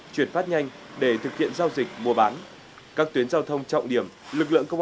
chuyển phát nhanh để thực hiện giao dịch mua bán các tuyến giao thông trọng điểm lực lượng công